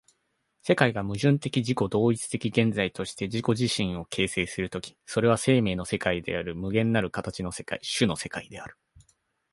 世界が矛盾的自己同一的現在として自己自身を形成する時、それは生命の世界である、無限なる形の世界、種の世界である。